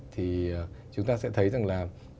thì chúng ta sẽ thấy rằng là